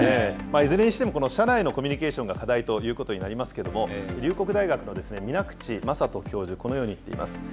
いずれにしても、社内のコミュニケーションが課題ということになりますけれども、龍谷大学の水口政人教授、このように言っています。